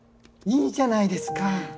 いいじゃないですか。